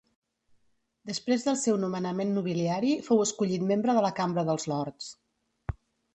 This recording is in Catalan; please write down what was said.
Després del seu nomenament nobiliari fou escollit membre de la Cambra dels Lords.